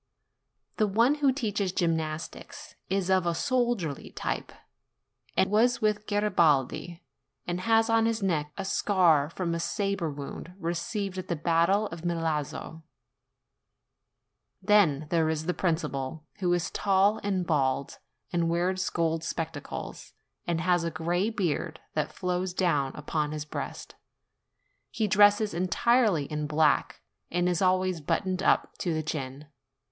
The one who teaches gymnastics is of a soldierly type, and was with Garibaldi, and has on his neck a scar from a sabre wound received at the battle of Milazzo. Then there is the principal, who is tall and bald, and wears gold spectacles, and has a gray beard that flows down upon his breast; he dresses entirely in black, and is always buttoned up to the chin.